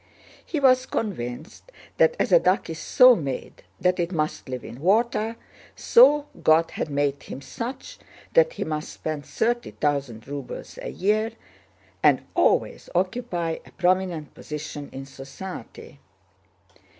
He was convinced that, as a duck is so made that it must live in water, so God had made him such that he must spend thirty thousand rubles a year and always occupy a prominent position in society.